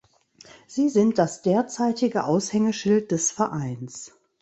Sie sind das derzeitige Aushängeschild des Vereins.